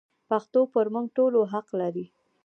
پښتو پر موږ ټولو حق لري.